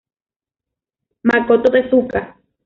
Makoto Tezuka